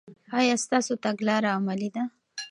آیا ستاسو تګلاره عملي ده؟